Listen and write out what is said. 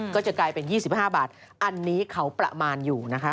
ก็จะกลายเป็น๒๕บาทอันนี้เขาประมาณอยู่นะคะ